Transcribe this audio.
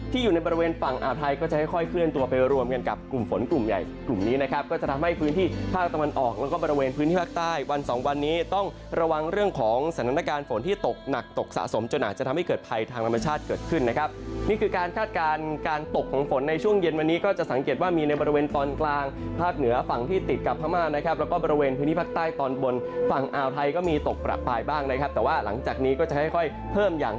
ที่อยู่ในบริเวณฝั่งอาวไทยก็จะค่อยเคลื่อนตัวไปรวมกันกับกลุ่มฝนกลุ่มใหญ่กลุ่มนี้นะครับก็จะทำให้พื้นที่ภาคตะวันออกแล้วก็บริเวณพื้นที่ภาคใต้วันสองวันนี้ต้องระวังเรื่องของสถานการณ์ฝนที่ตกหนักตกสะสมจน่าจะทำให้เกิดภัยทางธรรมชาติเกิดขึ้นนะครับนี่คือการคาดการณ์การตกของ